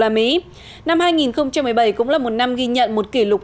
năm hai nghìn một mươi bảy cũng là một năm ghi nhận một kỷ lục